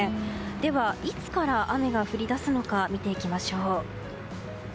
では、いつから雨が降り出すのか見ていきましょう。